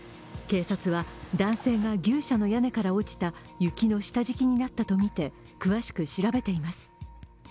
警察は男性が牛舎の屋根から落ちた雪の下敷きになったとみて、詳しく調べています。